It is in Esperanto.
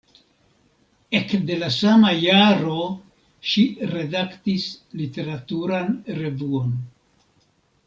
Ekde la sama jaro ŝi redaktis literaturan revuon.